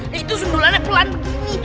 dan itu sundulannya pelan begini